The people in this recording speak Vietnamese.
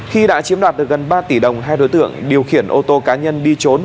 khi đã chiếm đoạt được gần ba tỷ đồng hai đối tượng điều khiển ô tô cá nhân đi trốn